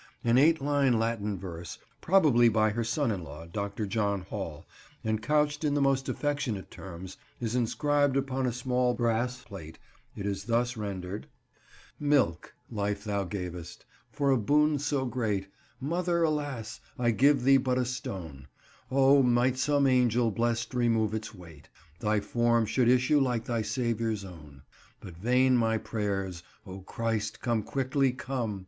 An eight line Latin verse, probably by her son in law, Dr. John Hall, and couched in the most affectionate terms, is inscribed upon a small brass plate; it is thus rendered— "Milk, life thou gavest. For a boon so great, Mother, alas! I give thee but a stone; O! might some angel blest remove its weight, Thy form should issue like thy Saviour's own. But vain my prayers; O Christ, come quickly, come!